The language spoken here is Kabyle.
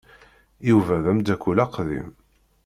Yuba d ameddakel aqdim.